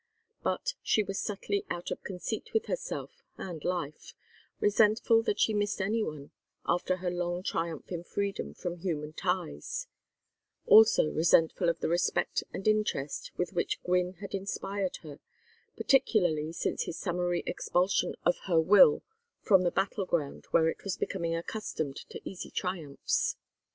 But she was subtly out of conceit with herself and life, resentful that she missed any one, after her long triumph in freedom from human ties; also resentful of the respect and interest with which Gwynne had inspired her, particularly since his summary expulsion of her will from the battle ground where it was becoming accustomed to easy triumphs.